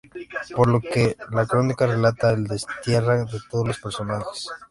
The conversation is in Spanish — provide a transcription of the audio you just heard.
Por lo que, la crónica relata el destierra de todos los personajes.